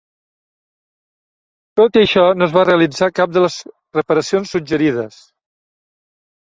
Tot i això, no es va realitzar cap de les reparacions suggerides.